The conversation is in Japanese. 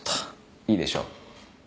いいでしょう。